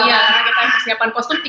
iya karena kita persiapkan kostum